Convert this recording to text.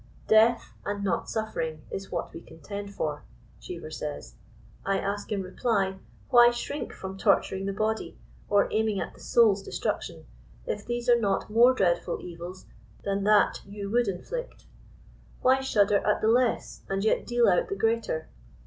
^'Deatht and not sufiering, is what we contend for/' Cheever says. I ask in teply» why shrink from torturing the body or aiming at the souPs destruction, if these are not more dreadful evils than that you would inflict ? Why shudder at the less and yet deal out the greater